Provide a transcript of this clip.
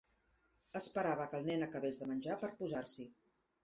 Esperava que el nen acabés de menjar per posar-s'hi.